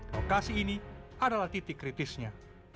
lokasi ini adalah titik kritisnya